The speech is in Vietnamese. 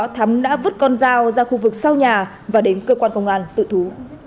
thắm đã vứt con dao ra khu vực sau nhà và đến cơ quan công an tự thú